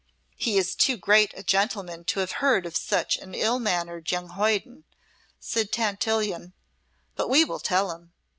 "He is too great a gentleman to have heard of such an ill mannered young hoyden," said Tantillion, "but we will tell him.